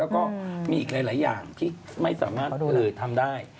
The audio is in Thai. แล้วก็มีอีกหลายอย่างที่ไม่สามารถทำได้